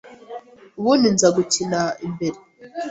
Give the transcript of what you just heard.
ubundi nza gukina imbere